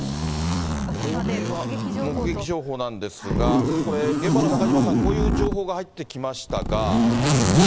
これは、目撃情報なんですが、これ、現場の中島さん、こういう情報が入ってきましたが。